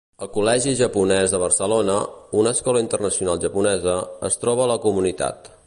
El Col·legi Japonès de Barcelona, una escola internacional japonesa, es troba a la comunitat.